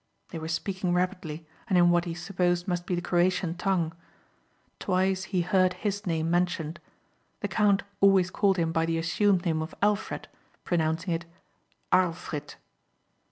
They were speaking rapidly and in what he supposed must be the Croatian tongue. Twice he heard his name mentioned. The count always called him by the assumed name of Alfred pronouncing it "Arlfrit."